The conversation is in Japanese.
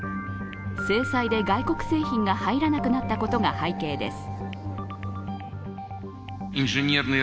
制裁で外国製品が入らなくなったことが背景です。